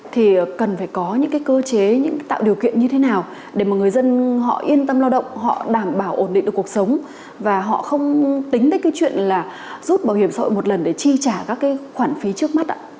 thì cần phải có những cái cơ chế tạo điều kiện như thế nào để mà người dân họ yên tâm lao động họ đảm bảo ổn định được cuộc sống và họ không tính tới cái chuyện là rút bảo hiểm xã hội một lần để chi trả các cái khoản phí trước mắt ạ